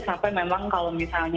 sampai memang kalau misalnya